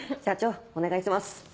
社長お願いします。